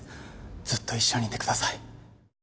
ずっと一緒にいてください。